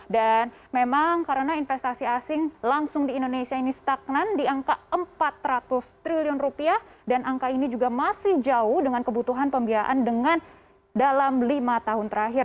dan memang karena investasi asing langsung di indonesia ini stagnan di angka empat ratus triliun rupiah dan angka ini juga masih jauh dengan kebutuhan pembiayaan dengan dalam lima tahun terakhir